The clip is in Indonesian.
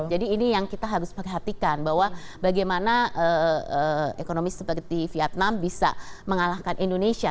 jadi ini yang kita harus perhatikan bahwa bagaimana ekonomi seperti vietnam bisa mengalahkan indonesia